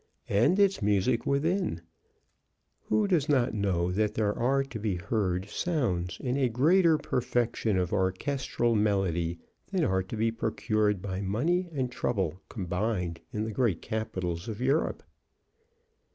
And its music within, who does not know that there are to be heard sounds in a greater perfection of orchestral melody than are to be procured by money and trouble combined in the great capitals of Europe?